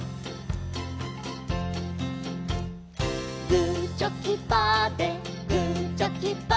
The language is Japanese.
「グーチョキパーでグーチョキパーで」